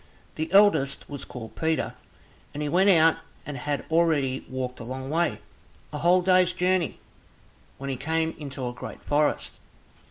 The eldest was called Peter, and he went out and had already walked a long way, a whole day's journey, when he came into a great forest.